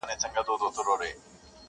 هغه مي خړ وطن سمسور غوښتی!